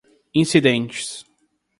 incidentes